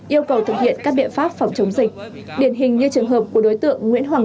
yêu cầu thực hiện các biện pháp phòng chống dịch điển hình như trường hợp của đối tượng nguyễn hoàng